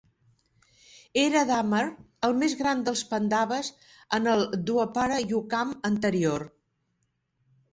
Era Dharmar, el més gran dels pandaves en el Dwapara Yukam anterior.